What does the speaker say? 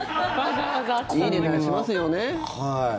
いい値段しますよね。